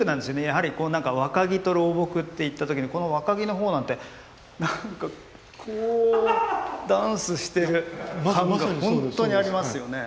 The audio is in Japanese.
やはりなんか若木と老木っていった時にこの若木のほうなんてなんかこうダンスしてる感がほんとにありますよね。